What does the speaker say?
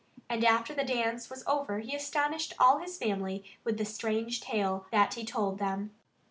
And after the dance was over he astonished all his family with the strange tale that he told them.